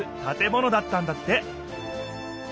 建物だったんだって。